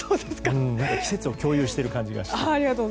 季節を共有している感じがして。